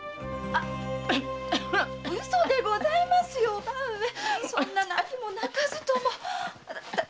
嘘でございますよ叔母上そんな何も泣かずとも。